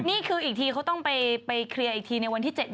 นี่คืออีกทีเขาต้องไปเคลียร์อีกทีในวันที่๗